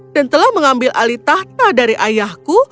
dan telah mengambil alih tahta dari ayahku